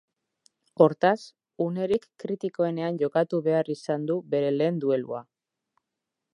Hortaz, unerik kritikoenean jokatu behar izan du bere lehen duelua.